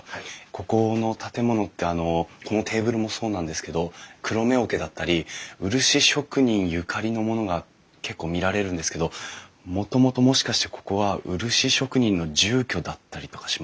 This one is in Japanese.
ここの建物ってあのこのテーブルもそうなんですけどくろめ桶だったり漆職人ゆかりのものが結構見られるんですけどもともともしかしてここは漆職人の住居だったりとかしますか？